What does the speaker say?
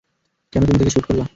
কেন তুমি তাকে শ্যুট করলা?